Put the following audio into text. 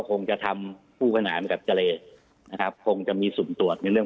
คงจะทำคู่ขนานกับเจรนะครับคงจะมีสุ่มตรวจในเรื่อง